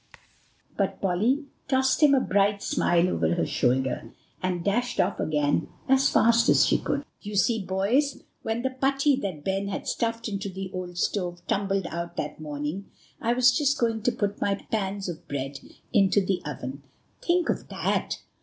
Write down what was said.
But Polly tossed him a bright smile over her shoulder, and dashed off again as fast as she could. "You see, boys, when the putty that Ben had stuffed into the old stove tumbled out that morning, I was just going to put my pans of bread into the oven. Think of that!"